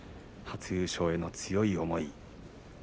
初優勝への強い思い。